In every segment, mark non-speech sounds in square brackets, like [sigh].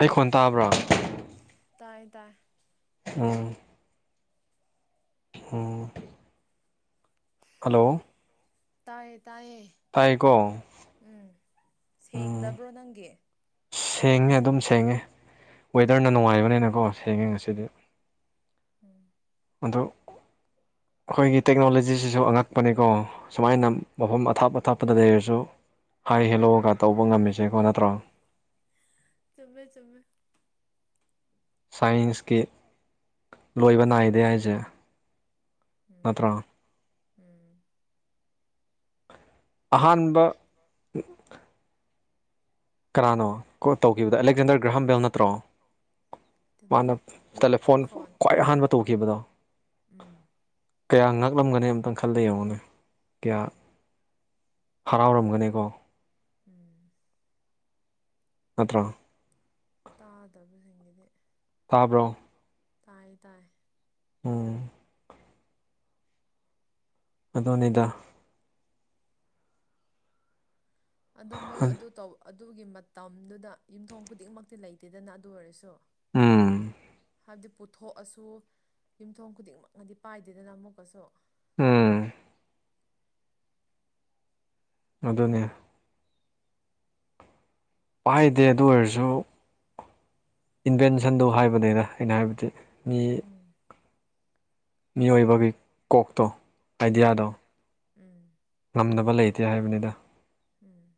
ꯑꯩ ꯈꯣꯟ ꯇꯥꯕ꯭ꯔꯥ ꯇꯥꯏ ꯇꯥꯏ ꯎꯝ ꯎꯝ ꯍꯜꯂꯣ ꯇꯥꯏꯌꯦ ꯇꯥꯏꯌꯦ ꯇꯥꯏꯀꯣ ꯎꯝ ꯎꯝ ꯁꯦꯡꯗꯕ꯭ꯔꯣ ꯅꯪꯒꯤ ꯁꯦꯡꯉꯦ ꯑꯗꯨꯝ ꯁꯦꯡꯉꯦ ꯋꯦꯗꯔꯅ ꯅꯨꯡꯉꯥꯏꯕꯅꯤꯅꯀꯣ ꯁꯦꯡꯉꯦ ꯉꯁꯤꯗꯤ ꯎꯝ ꯑꯗꯨ ꯑꯩꯈꯣꯏꯒꯤ ꯇꯦꯛꯅꯣꯂꯣꯖꯤꯁꯤꯁꯨ ꯑꯉꯛꯄꯅꯤꯀꯣ ꯁꯨꯃꯥꯏꯅ ꯃꯐꯝ ꯑꯊꯥꯞ ꯑꯊꯥꯞꯄꯗ ꯂꯩꯔꯁꯨ ꯍꯥꯏ ꯍꯦꯜꯂꯣꯒ ꯇꯧꯕ ꯉꯝꯃꯤꯁꯦꯀꯣ ꯅꯠꯇ꯭ꯔꯣ ꯆꯨꯝꯃꯦ ꯆꯨꯝꯃꯦ ꯁꯥꯏꯟꯁꯀꯤ ꯂꯣꯏꯕ ꯅꯥꯏꯗꯦ ꯍꯥꯏꯖꯦ ꯎꯝ ꯎꯝ ꯑꯍꯥꯟꯕ ꯀꯅꯥꯅꯣ ꯀꯣ ꯇꯧꯈꯤꯕꯗ ꯑꯦꯂꯦꯛꯖꯦꯟꯗꯔ ꯒ꯭ꯔꯥꯍꯥꯝꯕꯦꯜ ꯅꯠꯇ꯭ꯔꯣ ꯃꯥꯅ ꯇꯦꯂꯤꯐꯣꯟ ꯇꯦꯂꯦꯐꯣꯟ ꯈ꯭ꯋꯥꯏ ꯑꯍꯥꯟꯕ ꯇꯧꯈꯤꯕꯗꯣ ꯎꯝ ꯀꯌꯥ ꯉꯥꯛꯂꯝꯒꯅꯤ ꯑꯝꯇꯪ ꯈꯜꯂ ꯌꯦꯡꯉꯨꯅꯦ ꯀꯌꯥ ꯍꯔꯥꯎ ꯔꯝꯒꯅꯤꯀꯣ ꯎꯝ ꯅꯠꯇ꯭ꯔꯣ ꯇꯥꯗꯕꯁꯤꯡꯅꯗꯤ ꯇꯥꯕ꯭ꯔꯣ ꯇꯥꯏ ꯇꯥꯏ ꯎꯝ ꯑꯗꯨꯅꯤꯗ ꯑꯗꯣ ꯃꯣꯏ ꯑꯗꯨ ꯇꯧ ꯑꯗꯨꯒꯤ ꯃꯇꯝꯗꯨꯗ ꯌꯨꯝꯊꯣꯡ ꯈꯨꯗꯤꯡꯃꯛꯇꯤ ꯂꯩꯇꯦꯗꯅ ꯑꯗꯨ ꯑꯣꯏꯔꯁꯨ ꯎꯝ ꯍꯥꯏꯕꯗꯤ ꯄꯨꯊꯣꯛꯑꯁꯨ ꯌꯨꯝꯊꯣꯡ ꯈꯨꯗꯤꯡꯃꯛꯅꯗꯤ ꯄꯥꯏꯗꯦꯗꯅ ꯑꯃꯨꯛꯀꯁꯨ ꯎꯝ ꯑꯗꯨꯅꯦ ꯄꯥꯏꯗꯦ ꯑꯗꯨ ꯑꯣꯏꯔꯁꯨ ꯏꯟꯚꯦꯟꯁꯟꯗ ꯍꯥꯏꯕꯅꯤꯅ ꯑꯩꯅ ꯍꯥꯏꯕꯗꯤ ꯃꯤ ꯎꯝ ꯃꯤꯑꯣꯏꯕꯩ ꯀꯣꯛꯇꯣ ꯎꯝ ꯑꯥꯏꯗꯤꯌꯥꯗꯣ ꯎꯝ ꯉꯝꯗꯕ ꯂꯩꯇꯦ ꯍꯥꯏꯕꯅꯤꯗ ꯎꯝ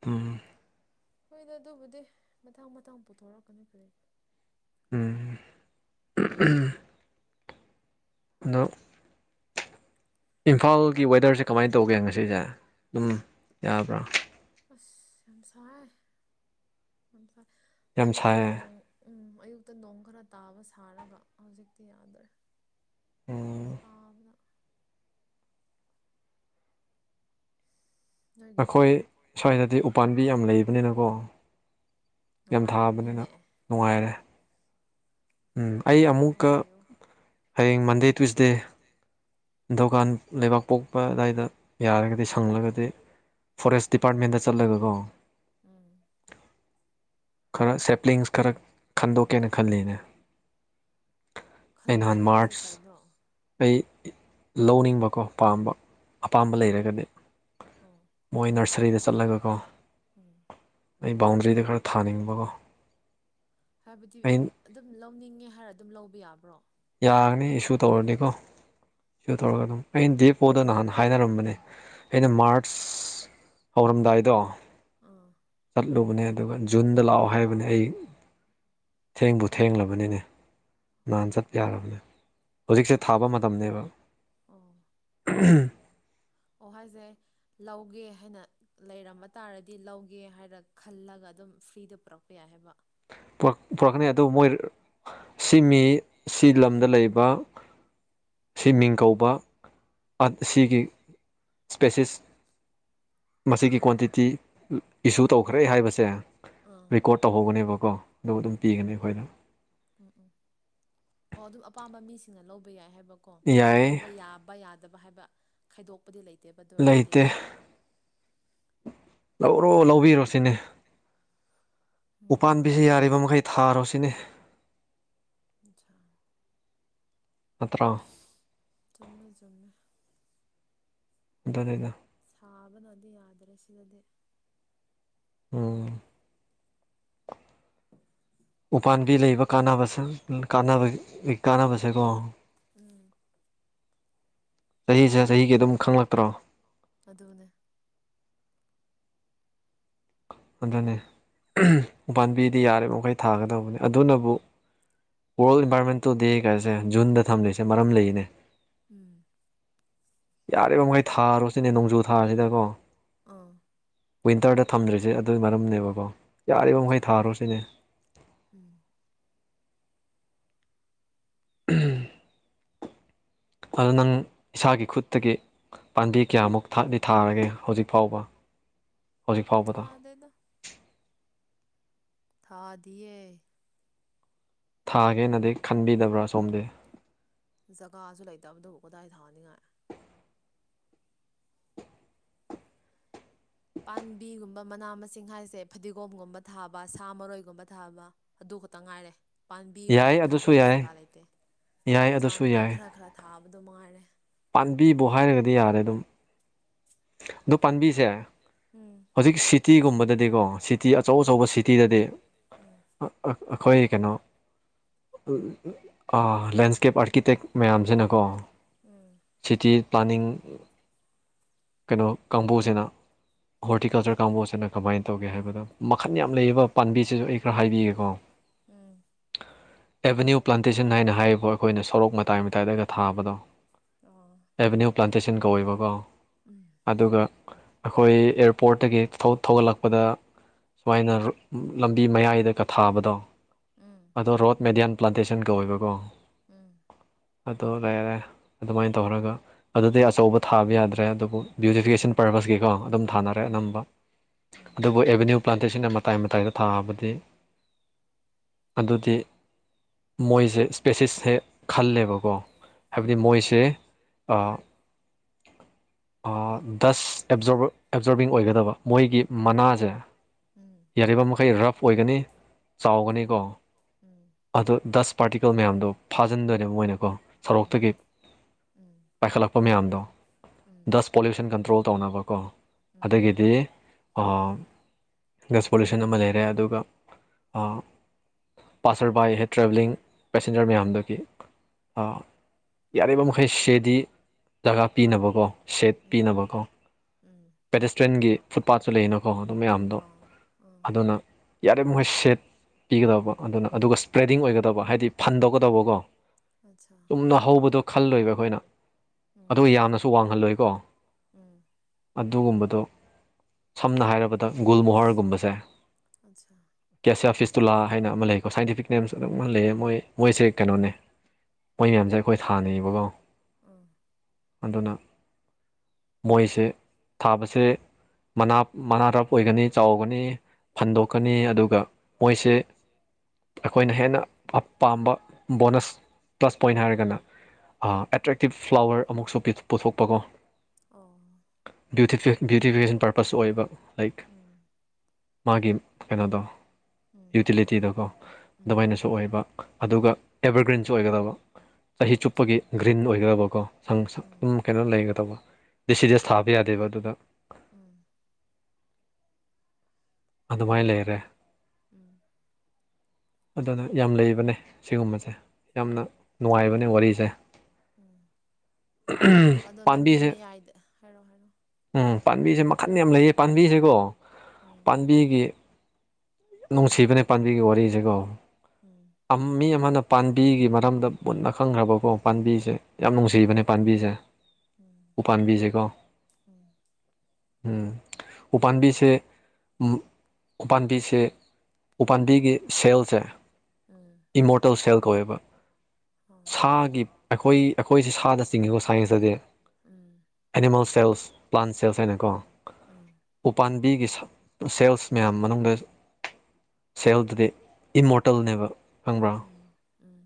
ꯇ ꯍꯣꯏꯗ ꯑꯗꯨꯕꯨꯗꯤ ꯃꯊꯥꯡ ꯃꯊꯪ ꯄꯨꯊꯣꯔꯛꯀꯅꯤ ꯀꯔꯤ ꯎꯝ ꯑꯗ ꯏꯝꯐꯥꯜꯒꯤ ꯋꯦꯗꯔꯁꯦ ꯀꯃꯥꯏꯅ ꯇꯧꯒꯦ ꯉꯁꯤꯁꯦ ꯑꯗꯨꯝ ꯌꯥꯕ꯭ꯔꯥ ꯑꯁ ꯌꯥꯝꯁꯥꯏ ꯌꯥꯝꯁꯥꯏ ꯌꯥꯝ ꯑꯌꯨꯛꯇ ꯁꯥꯏꯌꯦ ꯅꯣꯡ ꯎꯝ ꯑꯌꯨ ꯛꯇ ꯅꯣꯡ ꯈꯔ ꯇꯥꯕ ꯁꯥꯔꯒ ꯍꯧꯖꯤꯛꯇꯤ ꯌꯥꯗ꯭ꯔꯦ ꯎꯝ ꯁꯥꯕꯗ ꯅꯣꯏꯒꯤꯗꯤ ꯑꯩꯈꯣꯏ ꯁ꯭ꯋꯥꯏꯗꯗꯤ ꯎꯄꯥꯝꯕꯤ ꯌꯥꯝ ꯂꯩꯕꯅꯤꯅꯀꯣ ꯌꯥꯝ ꯊꯥꯕꯅꯤꯅ ꯅꯨꯡꯉꯥꯏꯔꯝꯅꯤꯅꯦ ꯅꯨꯡꯉꯥꯏꯔꯦ ꯎꯝ ꯑꯩ ꯅꯨꯡꯉꯥꯏꯌꯨ ꯑꯃꯨꯛꯀ ꯅꯨꯡꯉꯥꯏꯌꯨ ꯍꯌꯦꯡ ꯃꯟꯗꯦ ꯇꯨꯁꯗꯦ ꯗꯨꯀꯥꯟ ꯂꯩꯕꯥꯛ ꯄꯣꯛꯄ ꯑꯗꯨꯋꯥꯏꯗ ꯌꯥꯔꯒꯗꯤ ꯁꯪꯂꯒꯗꯤ ꯐꯣꯔꯦꯁ ꯗꯤꯄꯥꯔꯠꯃꯦꯟꯗ ꯆꯠꯂꯒꯀꯣ ꯎꯝ ꯈꯔ ꯁꯦꯞ꯭ꯂꯤꯡꯁ ꯈꯔ ꯈꯟꯗꯣꯛꯀꯦꯅ ꯈꯜꯂꯤꯅꯦ ꯑꯩ ꯅꯍꯥꯟ ꯈꯟꯗꯣꯛꯄ ꯍꯥꯏꯁꯦ ꯃꯥꯔꯆ ꯀꯩꯅꯣ ꯑꯩ ꯇꯧꯅꯤꯡꯕꯀꯣ ꯄꯥꯝꯕ ꯑꯄꯥꯝꯕ ꯑꯣ ꯂꯩꯔꯒꯗꯤ ꯑꯣ ꯃꯣꯏ ꯅꯔꯁꯔꯤꯗ ꯆꯠꯂꯒꯀꯣ ꯎꯝ ꯑꯩ ꯕꯥꯎꯟꯗ꯭ꯔꯤꯗ ꯈꯔ ꯊꯥꯅꯤꯡꯕꯀꯣ ꯍꯥꯏꯕꯗꯤ ꯑꯩ ꯑꯗꯨꯝ ꯂꯧꯅꯤꯡꯉꯦ ꯍꯥꯏꯔ ꯑꯗꯨꯝ ꯂꯧꯕ ꯌꯥꯕ꯭ꯔꯣ ꯌꯥꯅꯤ ꯏꯁꯨ ꯇꯧꯔꯅꯤꯀꯣ ꯏꯁꯨ ꯑꯣ ꯇꯧꯔꯒ ꯑꯗꯨꯝ ꯑꯩꯅ ꯗꯦꯄꯣꯗ ꯅꯍꯥꯟ ꯍꯥꯏꯅꯔꯝꯕꯅꯦ ꯑꯩꯅ ꯎꯝ ꯃꯥꯔꯆ ꯍꯧꯔꯝꯗꯥꯏꯗꯣ ꯑꯥ ꯆꯠꯂꯨꯕꯅꯦ ꯑꯗꯨꯒ ꯖꯨꯟꯗ ꯂꯥꯛꯑꯣ ꯍꯥꯏꯕꯅꯤ ꯑꯩ ꯊꯦꯡꯕꯨ ꯊꯦꯡꯂꯕꯅꯤꯅꯦ ꯑꯣ ꯅꯍꯥꯟ ꯆꯠ ꯌꯥꯔꯕꯅꯦ ꯍꯧꯖꯤꯛꯁꯦ ꯊꯥꯕ ꯃꯇꯝꯅꯦꯕ ꯑꯣ ꯎꯝ ꯑꯣ ꯍꯥꯏꯁꯦ ꯂꯧꯒꯦ ꯍꯥꯏꯅ ꯂꯩꯔꯝꯕ ꯇꯥꯔꯗꯤ ꯂꯧꯒꯦ ꯍꯥꯏꯔ ꯈꯜꯂꯒ ꯑꯗꯨꯝ ꯐ꯭ꯔꯤꯗ ꯄꯨꯔꯛꯄ ꯌꯥꯏ ꯍꯥꯏꯕ ꯄꯨꯣꯔꯛꯀꯅꯤ ꯑꯗꯨꯕꯨ ꯃꯣꯏ ꯁꯤ ꯃꯤ ꯁꯤ ꯂꯝꯗ ꯂꯩꯕ ꯁꯤ ꯃꯤꯡ ꯀꯧꯕ ꯁꯤꯒꯤ ꯏꯁꯄꯦꯁꯤꯁ ꯃꯁꯤꯒꯤ ꯀ꯭ꯋꯥꯟꯇꯤꯇꯤ ꯏꯁꯨ ꯇꯧꯈ꯭ꯔꯦ ꯍꯥꯏꯕꯁꯦ ꯑꯥ ꯔꯦꯀꯣꯔꯠ ꯇꯧꯍꯧꯕꯅꯦꯕꯀꯣ ꯑꯠꯆꯥ ꯎꯝ ꯎꯝ ꯑꯣ ꯑꯗꯨꯝ ꯑꯄꯥꯝꯕ ꯃꯤꯁꯤꯡꯅ ꯂꯧꯕ ꯌꯥꯏ ꯍꯥꯏꯕ ꯣ ꯌꯥꯏ ꯂꯧꯕ ꯌꯥꯕ ꯌꯥꯗꯕ ꯍꯥꯏꯕ ꯈꯥꯏꯗꯣꯛ ꯄꯨꯗꯤ ꯂꯩꯇꯦꯕ ꯑꯗꯨ ꯑꯣꯏꯔꯗꯤ ꯂꯩꯇꯦ ꯂꯧꯔꯣ ꯂꯧꯕꯤꯔꯣ ꯁꯤꯅꯦ ꯎꯝ ꯎꯄꯥꯥꯟꯝꯕꯤꯁꯤ ꯌꯥꯔꯤꯕ ꯃꯈꯩ ꯊꯥꯔꯣꯁꯤꯅꯦ ꯑꯆꯥꯥ ꯍꯥꯇ꯭ꯔ ꯆꯨꯝꯃꯦ ꯆꯨꯝꯃꯦ ꯑꯗꯨ ꯂꯩꯗ ꯄꯥꯕ ꯅꯗꯤ ꯌꯥꯗ꯭ꯔꯁꯤꯗꯗꯤꯦ ꯎꯝ ꯎꯄꯥꯥꯟꯝꯕꯤ ꯂꯩꯕ ꯀꯥꯟꯅꯕꯁꯦ ꯀꯥꯟꯅꯕ ꯀꯥꯟꯅꯕꯁꯦꯀꯣ ꯎꯝ ꯆꯍꯤꯁꯦ ꯆꯍꯤꯒꯤ ꯑꯗꯨꯝ ꯈꯪꯂꯛꯇ꯭ꯔꯣ ꯑꯗꯨꯅꯦ ꯑꯗꯨꯅꯦ ꯎ ꯄꯥꯝꯕꯤꯗꯤ ꯌꯥꯔꯤꯕ ꯃꯈꯩ ꯊꯥꯒꯗꯕꯅꯤ ꯑꯗꯨꯅꯕꯨ ꯋꯥꯔꯜ ꯏꯟꯚꯥꯏꯔꯣꯟꯃꯦꯟꯇꯣ ꯗꯦ ꯀꯥꯏꯁꯦ ꯖꯨꯟꯗ ꯊꯝꯂꯤꯁꯦ ꯃꯔꯝ ꯂꯩꯔꯤꯅꯦ ꯎꯝ ꯌꯥꯔꯤꯕ ꯃꯈꯩ ꯊꯥꯔꯨꯔꯁꯤꯅꯦ ꯅꯣꯡꯖꯨ ꯊꯥꯁꯤꯗꯀꯣ ꯑꯥ ꯋꯤꯟꯇꯔꯗ ꯊꯝꯗ꯭ꯔꯤꯁꯦ ꯑꯗꯨꯒꯤ ꯃꯔꯝꯅꯦꯕꯀꯣ ꯌꯥꯔꯤꯕ ꯃꯈꯩ ꯑꯠꯆꯥ ꯊꯥꯔꯣ ꯁꯤꯅꯦ ꯎꯝ [unintelligible] ꯑꯗꯨ ꯅꯪ ꯏꯁꯥꯒꯤ ꯈꯨꯠꯇꯒꯤ ꯄꯥꯝꯕꯤꯦ ꯀꯌꯥꯃꯨꯛ ꯊꯥꯂꯤ ꯊꯥꯔꯒꯦ ꯍꯧꯖꯤꯛ ꯐꯥꯎꯕ ꯍꯧꯖꯤꯛ ꯐꯥꯎꯕꯗ ꯊꯥꯗꯦꯗ ꯊꯥꯗꯦ ꯊꯥꯒꯦꯅꯗꯤ ꯈꯟꯕꯤꯗꯕ꯭ꯔꯥ ꯁꯣꯝꯗꯤ ꯖꯒꯥꯁꯨ ꯂꯩꯇꯕꯗꯨꯕꯨ ꯀꯗꯥꯏꯗ ꯊꯥꯅꯤꯡꯉꯥꯏ ꯄꯥꯝꯕꯤꯒꯨꯝꯕ ꯃꯅꯥ ꯃꯁꯤꯡ ꯍꯥꯏꯁꯦ ꯐꯗꯤꯒꯣꯝꯒꯨꯝꯕ ꯊꯥꯕ ꯁꯥ ꯃꯔꯣꯏꯒꯨꯝꯕ ꯊꯥꯕ ꯑꯗꯨ ꯈꯛꯇ ꯉꯥꯏꯔꯦ ꯄꯥꯝꯕꯤ ꯌꯥꯏ ꯑꯣꯏꯅꯗꯤ ꯑꯗꯨꯁꯨ ꯊꯥꯅꯤꯡꯉꯥꯏ ꯌꯥꯏ ꯖꯒꯥ ꯂꯩꯇꯦ ꯌꯥꯏ ꯑꯗꯨꯁꯨ ꯆꯥꯅꯤꯡꯉꯥꯏ ꯌꯥꯏ ꯈꯔ ꯈꯔ ꯊꯥꯕꯗꯣ ꯃꯉꯥꯏꯔꯦ ꯄꯥꯕꯤꯕꯨ ꯍꯥꯏꯔꯒꯗꯤ ꯌꯥꯔꯦ ꯑꯗꯨꯝ ꯑꯗꯣ ꯄꯥꯝꯕꯤꯁꯦ ꯎꯝ ꯍꯧꯖꯤꯛ ꯁꯤꯇꯤꯒꯨꯝꯕꯗꯗꯤꯀꯣ ꯁꯤꯇꯤ ꯁꯤꯇꯤ ꯑꯆꯧ ꯑꯆꯧꯕ ꯎꯝ ꯁꯤꯇꯤꯗꯗꯤ ꯎꯝ ꯑꯩꯈꯣꯏ ꯀꯩꯅꯣ ꯂꯦꯟꯁꯀꯦꯞ ꯑꯥꯔꯀꯤꯇꯦꯛ ꯃꯌꯥꯝꯁꯤꯅꯀꯣ ꯎꯝ ꯁꯤꯇꯤ ꯄ꯭ꯂꯥꯅꯤꯡ ꯀꯩꯅꯣ ꯀꯥꯡꯕꯨꯁꯤꯅ ꯍꯣꯔꯇꯤꯀꯜꯆꯔ ꯀꯥꯡꯕꯨꯁꯤꯅ ꯀꯃꯥꯏꯅ ꯇꯧꯒꯦ ꯍꯥꯏꯕꯗ ꯃꯈꯟ ꯌꯥꯝ ꯂꯩꯕ ꯄꯥꯝꯕꯤꯁꯤꯁꯨ ꯑꯩ ꯈꯔ ꯍꯥꯏꯕꯤꯒꯦꯀꯣ ꯎꯝ ꯎꯝ ꯑꯦꯕꯦꯅ꯭ꯌꯨ ꯄ꯭ꯂꯥꯟꯇꯦꯁꯟ ꯍꯥꯏꯅ ꯍꯥꯏꯔꯤꯕ ꯑꯩꯈꯣꯏꯅ ꯁꯣꯔꯣꯛ ꯃꯇꯥꯏ ꯃꯇꯥꯏꯗꯒ ꯊꯥꯕꯗꯣ ꯑꯣ ꯑꯦꯚꯦꯅ꯭ꯌꯨ ꯄ꯭ꯂꯥꯟꯇꯦꯁꯟ ꯀꯧꯋꯦꯕꯀꯣ ꯎꯝ ꯑꯗꯨꯒ ꯑꯩꯈꯣꯏ ꯑꯦꯌꯥꯔꯄꯣꯔꯠꯇꯒꯤ ꯊꯧꯒꯠꯂꯛꯄꯗ ꯁꯨꯃꯥꯏꯅ ꯂꯝꯕꯤ ꯃꯌꯥꯏꯗꯒ ꯊꯥꯕꯗꯣ ꯑꯗꯣ ꯔꯣꯠ ꯃꯦꯗꯤꯌꯥꯟ ꯄ꯭ꯂꯥꯟꯇꯦꯁꯟ ꯀꯧꯋꯦꯕꯀꯣ ꯎꯝ ꯎꯝ ꯑꯗꯣ ꯑꯗꯨꯃꯥꯏꯅ ꯇꯧꯔꯒ ꯑꯗꯨꯗꯤꯩ ꯑꯆꯧꯕ ꯊꯥꯕ ꯌꯥꯗ꯭ꯔꯦ ꯑꯗꯨꯕꯨ ꯕ꯭ꯌꯨꯇꯤꯐꯤꯀꯦꯁꯟ ꯄꯔꯄꯁꯀꯤꯀꯣ ꯑꯗꯨꯝ ꯊꯥꯅꯔꯦ ꯎꯝ ꯑꯅꯝꯕ ꯎꯝ ꯑꯗꯨꯕꯨ ꯑꯦꯚꯦꯅ꯭ꯌꯨ ꯄ꯭ꯂꯥꯟꯇꯦꯁꯟꯅ ꯃꯇꯥꯏ ꯃꯇꯥꯏꯗ ꯊꯥꯑꯕꯗꯤ ꯑꯗꯨꯗꯤ ꯃꯣꯏꯁꯦ ꯏꯁꯄꯦꯁꯤꯁ ꯍꯦ ꯈꯜꯂꯦꯕꯀꯣ ꯍꯥꯏꯕꯗꯤ ꯑꯥ ꯃꯣꯏꯁꯦ ꯗꯁ ꯑꯦꯞꯖꯣꯔ ꯑꯦꯞꯖꯣꯔꯕꯤꯡ ꯑꯣꯏꯒꯗꯕ ꯃꯣꯏꯒꯤ ꯃꯅꯥꯁꯦ ꯎꯝ ꯌꯥꯔꯤꯕ ꯃꯈꯩ ꯔꯐ ꯑꯣꯏꯒꯅꯤ ꯆꯥꯎꯒꯅꯤꯀꯣ ꯎꯝ ꯑꯗꯨ ꯗꯁ ꯄꯥꯔꯇꯤꯀꯜ ꯃꯌꯥꯝꯗꯣ ꯐꯥꯖꯤꯟꯗꯣꯏꯅꯦꯕ ꯃꯣꯏꯅ ꯀꯣ ꯎꯝ ꯁꯔꯣꯛꯇꯒꯤ ꯎꯝ ꯎꯝ ꯄꯥꯏꯈꯠꯂꯄ ꯃꯌꯥꯝꯗꯣ ꯎꯝ ꯗꯁ ꯄꯣꯂꯨꯁꯟ ꯀꯟꯇ꯭ꯔꯣꯜ ꯇꯧꯅꯕꯀꯣ ꯎꯝ ꯑꯗꯒꯤꯗꯤ ꯒꯁ ꯄꯣꯂꯨꯁꯟ ꯑꯃ ꯂꯩꯔꯦ ꯑꯗꯨꯒ ꯄꯥꯁꯔ ꯕꯥꯏ ꯍꯦ ꯇ꯭ꯔꯦꯚꯦꯂꯤꯡ ꯄꯦꯁꯦꯟꯖꯔ ꯃꯌꯥꯝꯗꯒꯤ ꯌꯥꯔꯤꯕ ꯃꯈꯩ ꯁꯦꯗꯤ ꯖꯒꯥ ꯄꯤꯅꯕꯀꯣ ꯁꯦꯠ ꯎꯝ ꯄꯤꯅꯕꯀꯣ ꯎꯝ ꯄꯦꯇꯦꯁꯇ꯭ꯔꯤꯌꯟꯒꯤ ꯐꯨꯠꯄꯥꯠꯁꯨ ꯂꯩꯅꯀꯣ ꯑꯗꯨ ꯃꯌꯥꯝꯗꯣ ꯑꯥ ꯑꯥ ꯑꯗꯨꯅ ꯌꯥꯔꯦ ꯃꯈꯣꯏ ꯁꯦꯠ ꯄꯤꯒꯗꯕ ꯑꯗꯨꯅ ꯑꯗꯨꯒ ꯏꯁꯄ꯭ꯔꯦꯗꯤꯡ ꯑꯣꯏꯒꯗꯕ ꯍꯥꯏꯗꯤ ꯐꯟꯗꯧꯀꯗꯧꯕꯀꯣ ꯑꯆꯥ ꯆꯨꯝꯅ ꯍꯧꯕꯗꯣ ꯈꯜꯂꯣꯏꯕ ꯑꯩꯈꯣꯏꯅ ꯎꯝ ꯑꯗꯨꯒ ꯌꯥꯝꯅꯁꯨ ꯋꯥꯡꯍꯜꯂꯣꯏꯕ ꯎꯝ ꯑꯗꯨꯒꯨꯝꯕꯗꯣ ꯁꯝꯅ ꯍꯥꯏꯔꯕ ꯗ ꯒꯨꯜ ꯃꯣꯍꯔꯒꯨꯝꯕꯁꯦ ꯑ ꯀꯦ ꯁꯤ ꯑꯐꯤꯁꯇꯨꯂꯥ ꯍꯥꯏꯅ ꯑꯃ ꯂꯩꯀꯣ ꯁꯥꯏꯟꯇꯤꯐꯤꯛ ꯅꯦꯝꯁ ꯑꯗꯨꯝ ꯂꯩꯌꯦ ꯃꯣꯏ ꯃꯣꯏꯁꯦ ꯀꯩꯅꯣꯅꯦ ꯃꯣꯏ ꯃꯌꯥꯝꯁꯦ ꯑꯩꯈꯣꯏ ꯊꯥꯅꯩꯌꯦꯕꯀꯣ ꯎꯝ ꯑꯗꯨꯅ ꯃꯣꯏꯁꯦ ꯊꯥꯕꯁꯦ ꯃꯅꯥ ꯃꯅꯥ ꯇꯞ ꯑꯣꯏꯒꯅꯤ ꯆꯥꯎꯒꯅꯤ ꯐꯟꯗꯣꯛꯀꯅꯤ ꯑꯗꯨꯒ ꯃꯣꯏꯁꯦ ꯑꯩꯈꯣꯏꯅ ꯍꯦꯟꯅ ꯄꯥꯝꯕ ꯕꯣꯅꯁ ꯄ꯭ꯂꯁ ꯄꯣꯏꯟ ꯍꯥꯏꯔꯒꯅ ꯑꯦꯇ꯭ꯔꯦꯛꯇꯤꯞ ꯐ꯭ꯂꯥꯋꯔ ꯑꯃꯨꯛꯁꯨ ꯄꯨꯊꯣꯛꯄꯀꯣ ꯑꯣ ꯕ꯭ꯌꯨꯇꯤꯐꯤꯀꯦꯁꯟ ꯄꯔꯄꯁ ꯑꯣꯏꯕ ꯂꯥꯏꯛ ꯎꯝ ꯃꯥꯒꯤ ꯀꯩꯅꯣꯗꯣ ꯎꯝ ꯌꯨꯇꯤꯂꯤꯇꯤꯗꯀꯣ ꯎꯝ ꯑꯗꯨꯃꯥꯏꯅꯁꯨ ꯑꯣꯏꯕ ꯑꯗꯨꯒ ꯑꯦꯕꯔꯒ꯭ꯔꯤꯟꯁꯨ ꯑꯣꯏꯒꯗꯕ ꯆꯍꯤ ꯑꯆꯥ ꯆꯨꯞꯄꯒꯤ ꯒ꯭ꯔꯤꯟ ꯑꯣꯏꯒꯗꯕꯀꯣ ꯁ ꯁ ꯎꯝ ꯑꯗꯨꯝ ꯀꯩꯅꯣ ꯂꯩꯒꯗꯕ ꯗꯤ ꯁꯤꯗꯤꯁ ꯊꯥꯕ ꯌꯥꯗꯦꯕ ꯑꯗꯨꯗ ꯎꯝ ꯑꯗꯨꯃꯥꯏꯅ ꯂꯩꯔꯦ [inaudible] ꯑꯗꯨꯅ ꯌꯥꯝ ꯂꯩꯕꯅꯦ ꯁꯤꯒꯨꯝꯕꯁꯦ ꯌꯥꯝꯅ ꯅꯨꯡꯉꯥꯏꯕꯅꯦ ꯋꯥꯔꯤꯁꯦ ꯎꯝ ꯑꯗꯣ ꯂꯝꯕꯤ ꯄꯥꯝꯕꯤꯁꯦ ꯃꯌꯥꯏꯗ ꯍꯥꯏꯔꯣ ꯍꯥꯏꯔꯣ ꯎꯝ ꯄꯥꯝꯕꯤꯁꯦ ꯈꯟ ꯌꯥꯝ ꯂꯩꯌꯦ ꯄꯥꯕꯤꯁꯤꯀꯣ ꯎꯝ ꯄꯥꯝꯕꯤꯒꯤ ꯅꯨꯡꯁꯤꯕꯅꯦ ꯄꯥꯝꯕꯤꯒꯤ ꯋꯥꯔꯤꯁꯤꯀꯣ ꯎꯝ ꯃꯤ ꯑꯃꯅ ꯄꯥꯝꯕꯤꯒꯤ ꯃꯔꯝꯗ ꯃꯨꯟꯅ ꯈꯪꯈ꯭ꯔꯕꯀꯣ ꯄꯥꯝꯕꯤꯁꯦ ꯌꯥꯝ ꯅꯨꯡꯁꯤꯕꯅꯦ ꯄꯥꯝꯕꯤꯁꯦ ꯎꯝ ꯎꯄꯥꯝꯕꯤꯁꯦꯀꯣ ꯎꯝ ꯎꯝ ꯎꯄꯥꯝꯕꯤꯁꯦ ꯎꯄꯥꯝꯕꯤꯁꯦ ꯎꯄꯥꯥꯟꯝꯕꯤꯒꯤ ꯁꯦꯜꯁꯦ ꯎꯝ ꯏꯃꯣꯔꯇꯦꯜ ꯁꯦꯜ ꯀꯧꯋꯦꯕ ꯑꯣ ꯁꯥꯒꯤ ꯑꯩꯈꯣꯏ ꯑꯩꯈꯣꯏꯁꯦ ꯁꯥꯗ ꯆꯤꯡꯉꯦꯀꯣ ꯁꯥꯏꯟꯁꯇꯗꯤ ꯎꯝ ꯑꯦꯅꯤꯃꯦꯜ ꯁꯦꯜꯁ ꯄ꯭ꯂꯥꯟ ꯁꯦꯜꯁ ꯍꯥꯏꯅꯀꯣ ꯎꯝ ꯎꯄꯥꯟ ꯕꯤꯒꯤ ꯁꯦꯜꯁ ꯃꯌꯥꯝ ꯃꯅꯨꯡꯗ ꯁꯦꯜꯗꯨꯗꯤ ꯏꯃꯣꯔꯇꯦꯜꯅꯦꯕ ꯈꯪꯕ꯭ꯔꯥ ꯎꯝ ꯎꯝ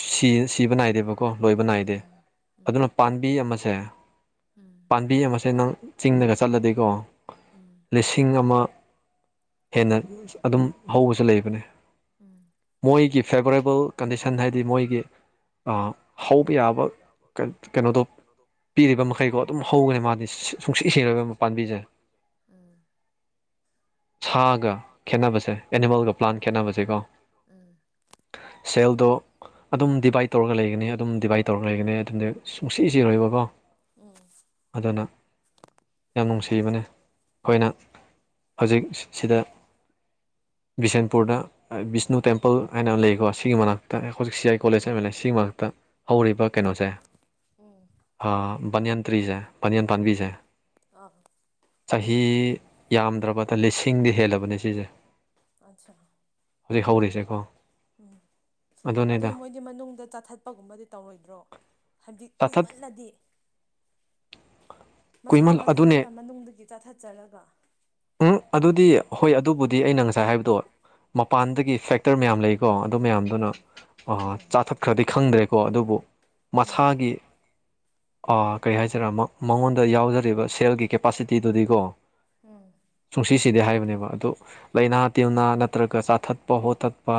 ꯁꯤ ꯁꯤꯕ ꯅꯥꯏꯗꯦꯕꯀꯣ ꯀꯣ ꯂꯣꯏꯕ ꯅꯥꯏꯗꯦ ꯎꯝ ꯎꯝ ꯑꯗꯨꯅ ꯄꯥꯝꯕꯤ ꯑꯃꯁꯦ ꯎꯝ ꯄꯥꯝꯕꯤ ꯑꯃꯁꯦ ꯅꯪ ꯆꯤꯡꯗꯒ ꯆꯠꯂꯗꯤꯀꯣ ꯎꯝ ꯂꯤꯁꯤꯡ ꯑꯃ ꯍꯦꯟꯅ ꯑꯗꯨꯝ ꯍꯧꯕꯁꯨ ꯂꯩꯕꯅꯦ ꯎꯝ ꯃꯣꯏꯒꯤ ꯐꯦꯕꯔꯦꯕꯜ ꯀꯟꯗꯤꯁꯟ ꯍꯥꯏꯗꯤ ꯃꯣꯏꯒꯤ ꯍꯧꯕ ꯌꯥꯕ ꯀꯩꯅꯣꯗꯣ ꯄꯤꯔꯤꯕ ꯃꯈꯩꯀꯣ ꯑꯗꯨꯝ ꯍꯧꯒꯅꯤ ꯃꯥꯗꯤ ꯁꯨꯡꯁꯤꯠ ꯁꯦꯕ ꯄꯥꯝꯕꯤꯖꯦ ꯎꯝ ꯁꯥꯒ ꯈꯦꯠꯅꯕꯁꯦ ꯑꯦꯅꯤꯃꯦꯜꯒ ꯄ꯭ꯂꯥꯟ ꯈꯦꯠꯅꯕꯁꯦꯀꯣ ꯎꯝ ꯁꯦꯜꯗꯣ ꯑꯗꯨꯝ ꯗꯤꯚꯥꯏꯠ ꯇꯧꯔꯒ ꯂꯩꯒꯅꯤ ꯑꯗꯨꯝ ꯗꯤꯚꯥꯏꯠ ꯇꯧꯔ ꯂꯩꯒꯅꯤ ꯑꯗꯨꯝꯗꯤ ꯨꯡꯁꯤꯁꯤꯔꯣꯏꯕꯀꯣ ꯎꯝ ꯑꯗꯨꯅ ꯌꯥꯝ ꯅꯨꯡꯁꯤ ꯊꯤꯕꯅꯦ ꯑꯩꯈꯣꯏꯅ ꯍꯧꯖꯤꯛ ꯁꯤꯗ ꯕꯤꯁꯦꯟꯄꯨꯔꯗ ꯕꯤꯁꯅꯨ ꯇꯦꯝꯄꯜ ꯍꯥꯏꯅ ꯑꯃ ꯂꯩꯀꯣ ꯁꯤꯒꯤ ꯃꯅꯥꯛꯇ ꯑꯩꯈꯣꯏꯖꯤ ꯁꯤ ꯑꯥꯏ ꯀꯣꯂꯦꯖ ꯍꯥꯏ ꯑꯃ ꯂꯩ ꯁꯤꯒꯤ ꯃꯅꯥꯛꯇ ꯍꯧꯔꯤꯕ ꯀꯩꯅꯣꯁꯦ ꯕꯥꯅꯤꯟ ꯇ꯭ꯔꯤꯁꯦ ꯄꯥꯅꯤꯌꯟ ꯎꯝ ꯄꯥꯟꯝꯕꯤꯁꯦ ꯂꯝꯕꯤꯁꯦ ꯆꯍꯤ ꯌꯥꯝꯗ꯭ꯔꯕꯗ ꯂꯤꯁ ꯏꯪꯗꯤ ꯍꯦꯜꯂꯕꯅꯦ ꯁꯤꯁꯦ ꯑꯆꯥꯆꯥ ꯍꯧꯖꯤꯛ ꯍꯧꯔꯤꯁꯦꯀꯣ ꯎꯝ ꯑꯗꯣ ꯑꯗꯨꯅꯤꯗ ꯃꯣꯏꯗꯤ ꯃꯅꯨꯡꯗ ꯆꯥꯊꯠꯄꯒꯨꯝꯕꯗꯤ ꯇꯧꯔꯣꯏꯗ꯭ꯔꯣ ꯍꯧꯖꯤꯛ ꯆꯥꯊꯠ ꯀꯨꯏꯃꯜꯂꯗꯤ ꯃꯁꯥ ꯀꯨꯏꯃꯜ ꯑꯗꯨꯅꯦ ꯃꯊꯟꯗꯨꯅ ꯃꯅꯨꯡꯗꯒꯤ ꯆꯥꯊꯠꯆꯔꯒ ꯗꯤ ꯍꯣꯏ ꯑꯗꯨꯕꯨꯗꯤ ꯑꯩꯅ ꯉꯁꯥꯏ ꯍꯥꯏꯕꯗꯣ ꯃꯄꯥꯟꯗꯒꯤ ꯐꯦꯛꯇꯔ ꯃꯌꯥꯝ ꯂꯩ ꯀꯣ ꯑꯗꯨ ꯃꯌꯥꯝꯗꯨꯅ ꯎꯝ ꯎꯝ ꯆꯥꯊꯠꯈ꯭ꯔꯗꯤ ꯈꯪꯗ꯭ꯔꯦꯀꯣ ꯑꯗꯨꯕꯨ ꯎꯝ ꯃꯁꯥꯒꯤ ꯑ ꯀꯩ ꯍꯥꯏꯁꯤꯔ ꯃꯉꯣꯟꯗ ꯌꯥꯎꯖꯔꯤꯕ ꯁꯦꯜꯒꯤ ꯀꯦꯄꯥꯁꯤꯇꯤꯗꯨꯗꯤꯀꯣ ꯎꯝ ꯆꯨꯡꯁꯤꯁꯤꯗꯤ ꯍꯥꯏꯕꯅꯦꯕ ꯑꯗꯨ ꯂꯩꯅꯥ ꯇꯤꯟꯅꯥ ꯅꯠꯇ꯭ꯔꯒ ꯆꯥꯊꯠꯄ ꯍꯣꯊꯠꯄ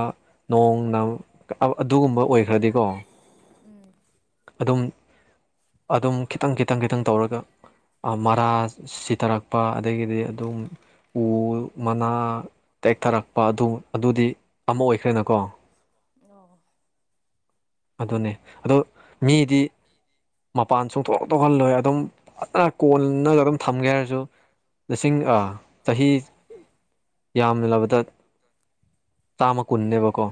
ꯅꯣꯡ ꯑꯗꯨꯝ ꯎꯝ ꯑꯗꯨꯝ ꯈꯤꯇꯪ ꯈꯤꯇꯪ ꯈꯤꯇꯪ ꯇꯧꯔꯒ ꯃꯔꯥ ꯁꯤꯊꯔꯛꯄ ꯑꯗꯒꯤꯗꯤ ꯑꯗꯨꯝ ꯎ ꯑꯗꯨ ꯃꯅꯥ ꯇꯦꯛꯊꯔꯛꯄ ꯑꯗꯨ ꯑꯗꯨꯗꯤ ꯑꯃ ꯑꯣꯏꯈ꯭ꯔꯦꯅꯀꯣ ꯑꯣ ꯑꯗꯨꯅꯦ ꯑꯗꯨ ꯃꯤꯗꯤ ꯃꯄꯥꯟ ꯆꯨꯡꯊꯣꯛ ꯊꯣꯛꯣꯛꯍꯜꯂꯣꯏ ꯑꯗꯨꯝ ꯀꯣꯟꯅꯒ ꯑꯗꯨꯝ ꯊꯝꯒꯦ ꯍꯥꯏꯔꯁꯨ ꯂꯤꯁꯤꯡ ꯆꯍꯤ ꯌꯥꯝꯅꯂꯕꯗ ꯆꯥꯝꯃ ꯀꯨꯟꯅꯦꯕꯀꯣ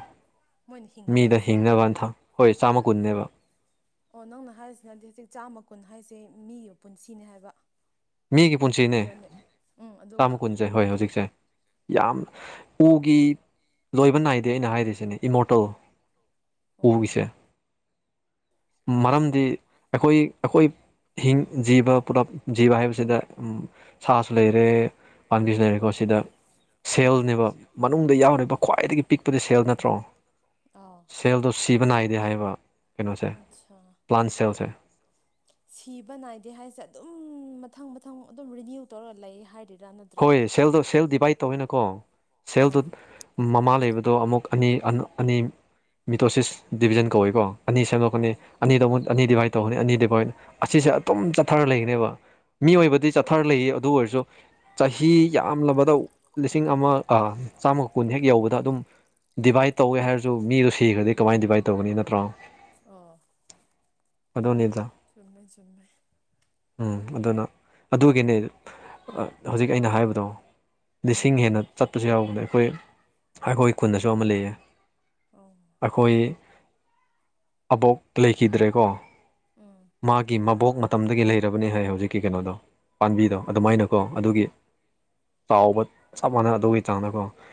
ꯃꯣꯏꯅ ꯃꯤꯗ ꯍꯤꯡꯒꯗꯕꯁꯦ ꯍꯤꯡꯅꯕ ꯑꯟꯊ ꯍꯣꯏ ꯆꯥꯝꯃ ꯀꯨꯟꯅꯦꯕ ꯑꯣ ꯅꯪꯅ ꯍꯥꯏꯔꯤꯁꯤꯅꯗꯤ ꯍꯧꯖꯤꯛ ꯆꯥꯝꯃ ꯀꯨꯟ ꯍꯥꯏꯁꯦ ꯃꯤꯒꯤ ꯄꯨꯟꯁꯤꯅꯦ ꯍꯥꯏꯕ ꯃꯤꯒꯤ ꯄꯨꯟꯁꯤꯅꯦ ꯅꯠꯇ꯭ꯔꯅꯦ ꯎꯝ ꯑꯗꯨꯒ ꯆꯥꯝꯃ ꯀꯨꯟꯁꯦ ꯍꯣꯏ ꯎꯒꯤꯗꯤ ꯍꯧꯖꯤꯛꯁꯦ ꯌꯥꯝ ꯎꯒꯤ ꯂꯣꯏꯕ ꯅꯥꯏꯗꯦ ꯑꯩꯅ ꯍꯥꯏꯔꯤꯁꯤꯅꯦ ꯏꯃꯣꯇꯣ ꯑꯣ ꯄꯨꯒꯁꯦ ꯃꯔꯝꯗꯤ ꯑꯩꯈꯣꯏ ꯑꯩꯈꯣꯏ ꯍꯤꯡ ꯖꯤꯕ ꯄꯨꯂꯞ ꯖꯤꯕ ꯍꯥꯏꯕꯁꯤ ꯁꯤꯗ ꯁꯥꯁꯨ ꯂꯩꯔꯦ ꯄꯥꯝꯕꯤꯁꯨ ꯂꯩꯔꯦꯀꯣ ꯁꯤꯗ ꯎꯝ ꯁꯦꯜꯅꯦꯕ ꯃꯅꯨꯡꯗ ꯌꯥꯎꯔꯤꯕ ꯈ꯭ꯋꯥꯏꯗꯒꯤ ꯄꯤꯛꯄꯗꯤ ꯁꯦꯜ ꯅꯠꯇ꯭ꯔꯣ ꯑꯥ ꯁꯦꯜꯗꯣ ꯁꯤꯕ ꯅꯥꯏꯗꯦ ꯍꯥꯏꯕ ꯀꯩꯅꯣꯁꯦ ꯑꯠꯆꯥ ꯄ꯭ꯂꯥꯟ ꯁꯦꯜꯁꯦ ꯁꯤꯕ ꯅꯥꯏꯗꯦ ꯍꯥꯏꯁꯦ ꯑꯗꯨꯝ ꯃꯊꯪ ꯃꯊꯪ ꯑꯗꯨꯝ ꯔꯤꯅ꯭ꯌꯨ ꯇꯧꯔ ꯂꯩ ꯍꯥꯏꯔꯗꯤ ꯍꯣꯏ ꯁꯦꯜꯗꯣ ꯁꯦꯜ ꯗꯤꯚꯥꯏꯠ ꯇꯧꯋꯤꯅꯀꯣ ꯁꯦꯜꯗꯣ ꯑꯥ ꯃꯃꯥ ꯂꯩꯕꯗ ꯑꯗꯣ ꯑꯃꯨꯛ ꯑꯅꯤ ꯑ ꯑꯅꯤ ꯃꯤꯇꯣꯁꯤꯁ ꯗꯤꯕꯤꯖꯟ ꯀꯧꯏꯀꯣ ꯑꯅꯤ ꯁꯦꯝꯗꯣꯛꯀꯅꯤ ꯑꯥ ꯑꯅꯤꯗ ꯑꯃꯨ ꯑꯅꯤ ꯗꯤꯚꯥꯏꯠ ꯇꯧꯒꯅꯤ ꯑꯅꯤ ꯗꯤꯚꯥꯏꯠ ꯑꯁꯤꯁꯦ ꯑꯗꯨꯝ ꯆꯠꯊꯔ ꯂꯩꯒꯅꯦꯕ ꯑꯥ ꯃꯤꯑꯣꯏꯕꯗꯤ ꯆꯠꯊꯔ ꯂꯩ ꯑꯗꯨ ꯑꯣꯏꯔꯁꯨ ꯆꯍꯤ ꯌꯥꯝꯂꯕꯗ ꯂꯤꯁꯤꯡ ꯑꯃ ꯆꯥꯝꯃꯒ ꯀꯨꯟ ꯍꯦꯛ ꯌꯧꯕꯗ ꯑꯗꯨꯝ ꯗꯤꯚꯥꯏꯠ ꯇꯧꯋꯦ ꯍꯥꯏꯔꯁꯨ ꯃꯤꯗꯣ ꯁꯤꯈ꯭ꯔꯗꯤ ꯎꯝ ꯀꯃꯥꯏꯅ ꯗꯤꯚꯥꯏꯠ ꯇꯧꯒꯅꯤ ꯅꯠꯇ꯭ꯔꯣ ꯑꯣ ꯑꯗꯣꯅꯤꯗ ꯆꯨꯝꯃꯦ ꯆꯨꯝꯃꯦ ꯎꯝ ꯑꯗꯨꯅ ꯑꯗꯨꯒꯤꯅꯦ ꯍꯧꯖꯤꯛ ꯑꯩꯅ ꯍꯥꯏꯕꯗꯣ ꯎꯝ ꯂꯤꯁꯤꯡ ꯍꯦꯟꯅ ꯆꯠꯄꯁꯨ ꯌꯥꯎꯕꯗ ꯑꯩꯈꯣꯏ ꯑꯩꯈꯣꯏ ꯈꯨꯟꯗꯁꯨ ꯑꯃ ꯂꯩꯌꯦ ꯑꯣ ꯑꯩꯈꯣꯏ ꯑꯕꯣꯛ ꯂꯩꯈꯤꯗ꯭ꯔꯦꯀꯣ ꯎꯝ ꯃꯥꯒꯤ ꯃꯕꯣꯛ ꯃꯇꯝꯗꯒꯤ ꯂꯩꯔꯕꯅꯦ ꯍꯥꯏ ꯍꯧꯖꯤꯛꯀꯤ ꯀꯩꯅꯣꯗꯣ ꯄꯥꯝꯕꯤꯗꯣ ꯑꯣ ꯑꯗꯨꯃꯥꯏꯅꯀꯣ ꯒꯤ ꯆꯥꯎꯕ ꯆꯞ ꯃꯥꯟꯅ ꯑꯗꯨꯒꯤ ꯆꯥꯡꯅꯀꯣ